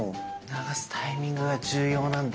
流すタイミングが重要なんだ。